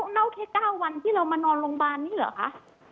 เล่าแค่๙วันที่เรามานอนโรงพยาบาลนี่เหรอคะ